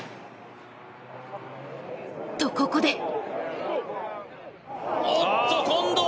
と、ここで。